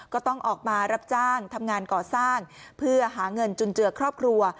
ก็ต้องออกมารับจ้างทำงานก่อสร้างเพื่อหาเงินจุนเจือครอบครัว